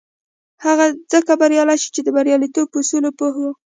هغه ځکه بريالی شو چې د برياليتوب پر اصولو پوه و.